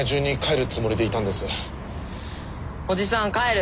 おじさん帰る。